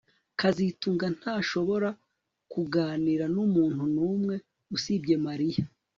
kazitunga ntashobora kuganira numuntu numwe usibye Mariya